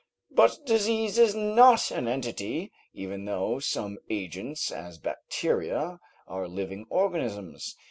But disease is not an entity, even though some agents, as bacteria, are living organisms.